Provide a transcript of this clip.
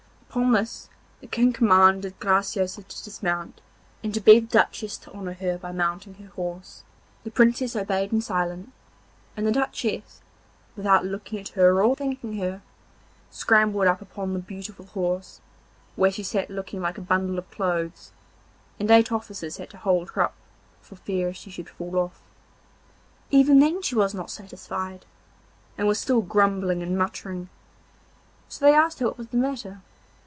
Upon this the King commanded Graciosa to dismount and to beg the Duchess to honour her by mounting her horse. The Princess obeyed in silence, and the Duchess, without looking at her or thanking her, scrambled up upon the beautiful horse, where she sat looking like a bundle of clothes, and eight officers had to hold her up for fear she should fall off. Even then she was not satisfied, and was still grumbling and muttering, so they asked her what was the matter.